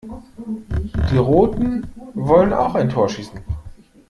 Die Roten wollen auch ein Tor schießen.